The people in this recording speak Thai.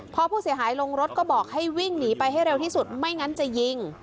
พอผู้เสียหายลงรถก็บอกให้วิ่งหนีไปให้เร็วที่สุดไม่งั้นจะยิง